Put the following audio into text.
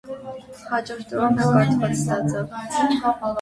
Հաջորդ օրը նա կաթված ստացավ։